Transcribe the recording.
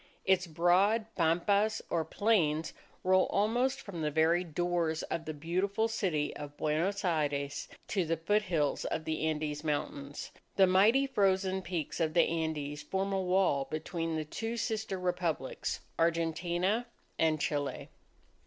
Its broad pampas, or plains, roll almost from the very doors of the beautiful city of Buenos Aires to the foothills of the Andes Mountains. The mighty frozen peaks of the Andes form a wall between the two sister Republics, Argentina and Chile.